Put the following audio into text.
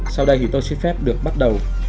sau đây thì tôi xin phép được bắt đầu